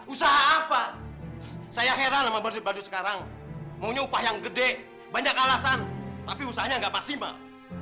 usaha apa saya heran sama baju sekarang maunya upah yang gede banyak alasan tapi usahanya nggak maksimal